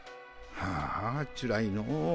はあつらいの。